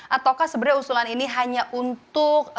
ataukah sebenarnya usulan ini hanya untuk